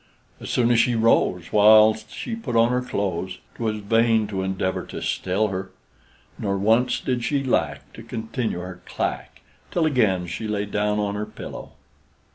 As soon as she rose, while she put on her clothes, 'Twas vain to endeavor to still her; Nor once did she lack to continue her clack, Till again she lay down on her pillow.